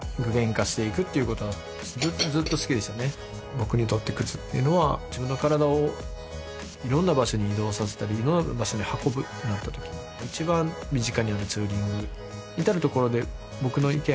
僕にとって靴っていうのは自分の体をいろんな場所に移動させたりいろんな場所に運ぶってなったとき一番身近にあるツーリング至るところで僕の意見